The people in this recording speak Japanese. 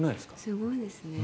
すごいですね。